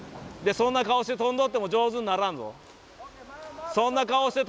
そんな顔して飛んどっても上手にならんぞ。